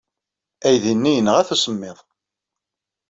Aydi-nni yenɣa-t usemmiḍ.